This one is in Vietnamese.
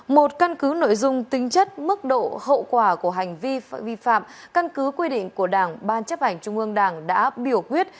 một căn cứ nội dung tính chất mức độ hậu quả của hành vi vi phạm căn cứ quy định của đảng ban chấp hành trung ương đảng đã biểu quyết